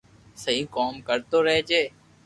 سھي ڪوم ڪرتو رھجي